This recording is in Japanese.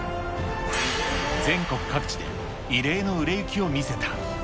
全国各地で異例の売れ行きを見せた。